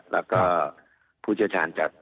แล้วก็ผู้เจ้าชาญจาก